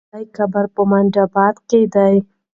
د ملالۍ قبر په منډآباد کې دی.